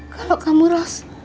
kalau kamu ros